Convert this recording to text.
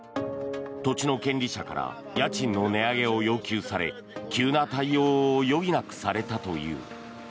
土地の権利者から家賃の値上げを要求され急な対応を余儀なくされたという。